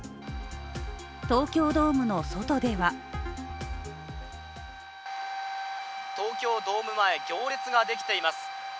東京ドームの外では東京ドーム前、行列ができています。